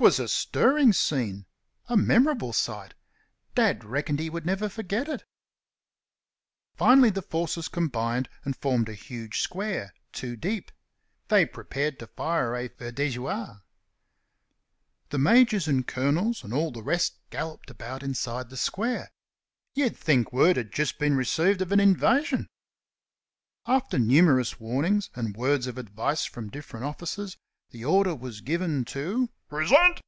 'Twas a stirring scene a memorable sight. Dad reckoned he would never forget it. Finally the forces combined and formed a huge square, two deep. They prepared to fire a feu de joie. The majors and colonels and all the rest galloped about inside the square. You'd think word had just been received of an invasion. After numerous warnings and words of advice from different officers, the order was given to "Pre sent!"